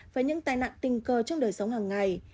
và những tai nạn tình cờ trong đời sống hàng ngày